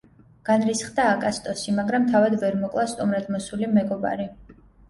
განრისხდა აკასტოსი, მაგრამ თავად ვერ მოკლა სტუმრად მოსული მეგობარი.